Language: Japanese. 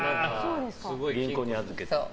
銀行に預けてるの。